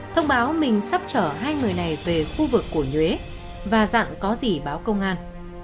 thông báo mình sắp chở hai người này về khu vực của nhuế và dạng có gì báo công an